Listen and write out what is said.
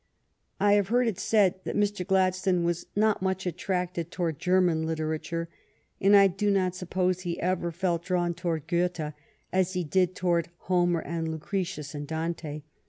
I have heard it said that Mr. Gladstone was not much attracted towards German literature, and I do not suppose he ever felt drawn towards Goethe as he did towards Homer and Lucretius and Dante.